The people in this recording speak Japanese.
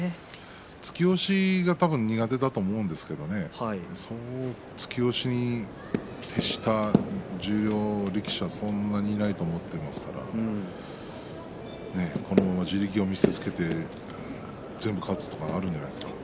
突き押しが多分苦手だと思うんですが突き押しに徹した十両力士はそんなにいませんのでこのまま地力を見せつけて全部、勝つこともあるんじゃないですか。